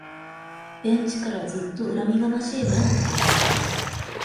ベンチからずっと恨みがましい目を向けている